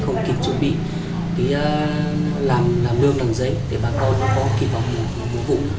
không kịp chuẩn bị làm lương làm giấy để bà con có kỳ vọng mùa vụ